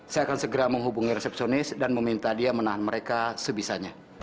saya akan segera menghubungi resepsionis dan meminta dia menahan mereka sebisanya